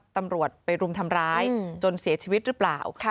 ตำรวจไปรุมทำร้ายจนเสียชีวิตหรือเปล่า